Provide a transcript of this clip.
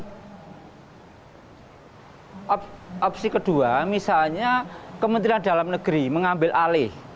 opsi kedua misalnya kementerian dalam negeri mengambil alih